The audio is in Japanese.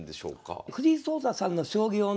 藤井聡太さんの将棋をね